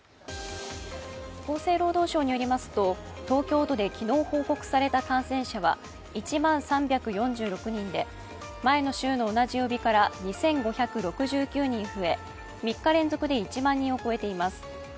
厚生労働省によりますと東京都で昨日報告された感染者は１万３４６人で前の週の同じ曜日から２５６９人増え、３日連続で１万人を超えています。